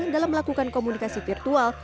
dalam melakukan komunikasi virtual